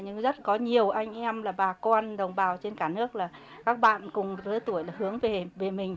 nhưng rất có nhiều anh em là bà con đồng bào trên cả nước là các bạn cùng lứa tuổi hướng về mình